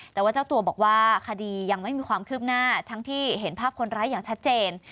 แต่ว่าเจ้าตัวบอกว่าคดียังไม่มีความคืบหน้าทั้งที่เห็นภาพคนร้ายอย่างชัดเจน